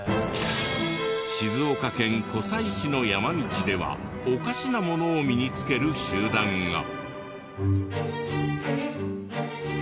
静岡県湖西市の山道ではおかしなものを身につける集団が。